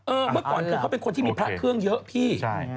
เมื่อก่อนคือเขาเป็นคนที่มีพระเครื่องเยอะพี่